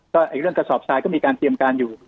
ก็เรื่องกระสอบทรายก็มีการเตรียมการอยู่